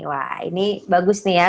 wah ini bagus nih ya